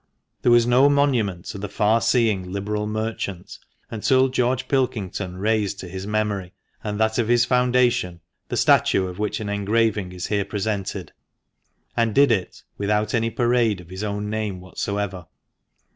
There was no monument to the far seeing, liberal merchant, until George Pilkington raised to his memory, and that of his foundation, the statue of which an engraving is here presented, and did it without any parade of his own name whatsoever.